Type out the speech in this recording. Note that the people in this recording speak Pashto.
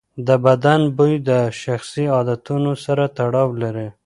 د بدن بوی د شخصي عادتونو سره تړاو لري.